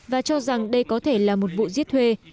và cho rằng đây có thể là một vụ giết thuê